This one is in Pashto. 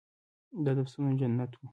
دا د پسونو جنت و.